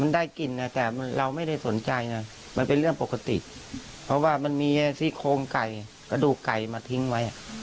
ได้กลิ่นนะแต่เราไม่ได้สนใจนะมันเป็นเรื่องปกติเพราะว่ามันมีซี่โครงไก่กระดูกไก่มาทิ้งไว้